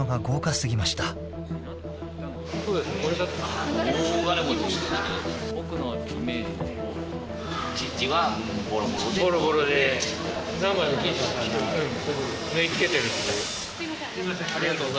すいません。